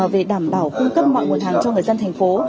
về đảm bảo cung cấp mọi nguồn hàng cho người dân thành phố